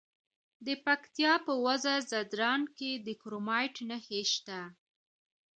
د پکتیا په وزه ځدراڼ کې د کرومایټ نښې شته.